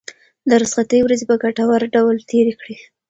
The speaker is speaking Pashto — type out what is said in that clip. د رخصتۍ ورځې په ګټور ډول تېرې کړئ.